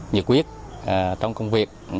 nhiệt quyết trong công việc